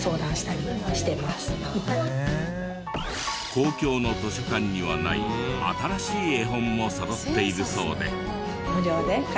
公共の図書館にはない新しい絵本も揃っているそうで。